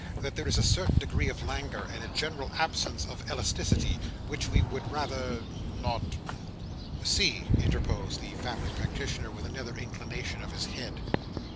That there is a certain degree of languor, and a general absence of elasticity, which we would rather—not—" "See," interposed the family practitioner with another inclination of the head.